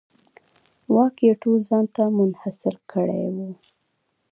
واک یې ټول ځان ته منحصر کړی و.